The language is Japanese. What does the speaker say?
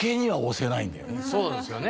そうですよね。